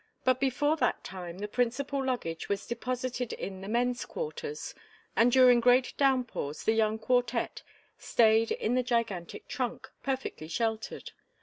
But before that time the principal luggage was deposited in the "men's quarters" and during great downpours the young quartette staid in the gigantic trunk, perfectly sheltered.